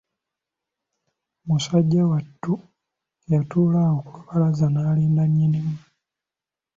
Musajja wattu yatuula awo ku lubalaza n'alinda nnyinimu.